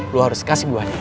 lo harus kasih gue hadiah